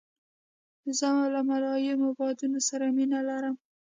زه له ملایمو بادونو سره مینه لرم.